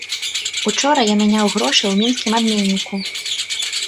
Учора я мяняў грошы ў мінскім абменніку.